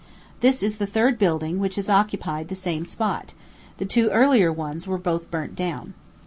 This is the third building which has occupied the same spot the two earlier ones were both burnt down.